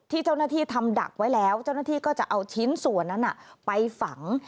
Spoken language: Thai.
ที่เจ้าหน้าที่ทำดักไว้แล้วเจ้าหน้าที่ก็จะเอาชิ้นส่วนนั้นไปฝัง